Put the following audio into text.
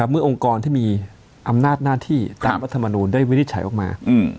เมื่อองค์กรที่มีอำนาจหน้าที่ตามรัฐมนูลได้วินิจฉัยออกมา